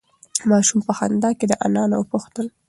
ماشوم په خندا کې له انا نه وپوښتل.